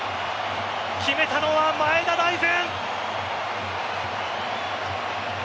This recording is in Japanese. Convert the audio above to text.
決めたのは前田大然！